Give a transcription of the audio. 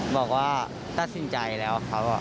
บอกว่าตัดสินใจแล้วครับ